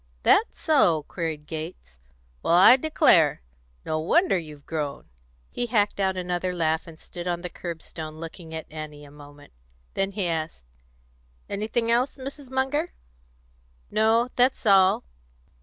"That so?" queried Gates. "Well, I declare! No wonder you've grown!" He hacked out another laugh, and stood on the curb stone looking at Annie a moment. Then he asked, "Anything else, Mrs. Munger?" "No; that's all.